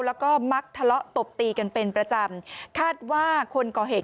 แล้วก็มักทะเลาะตบตีกันเป็นประจำคาดว่าคนก่อเหตุ